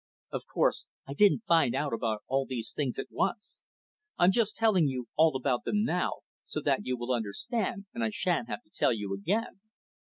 Of course, I didn't find out about all these things at once. I'm just telling you all about them now, so that you will understand, and I shan't have to tell you again.